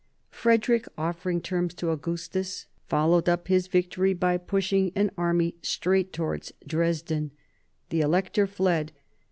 Frederick, offering terms to Augustus, followed up his victory by pushing an army straight towards Dresden. The Elector fled.